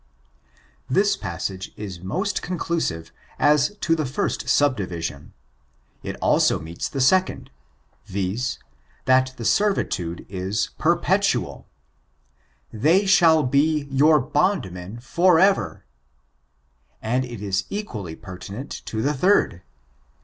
This passage is most conclusive as to the first subdivision. It also meets the second, viz: that the servitude b perpetual, "they shall be your bondmen Jor ever — Le OlaumJ' And it is equaUy pertinent to the third.